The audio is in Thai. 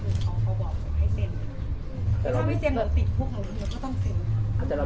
เขาบอกว่าเซ็นออกจากโรงพักษณ์ก็คือเขาเขาบอกว่าให้เซ็น